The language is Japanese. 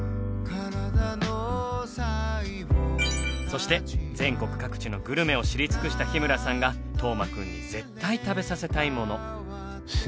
そして全国各地のグルメを知り尽くした日村さんが斗真くんに絶対食べさせたいもの。